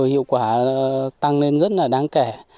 hiệu quả tăng lên rất là đáng kể